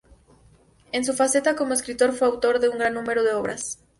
En su faceta como escritor fue autor de un gran número de obras.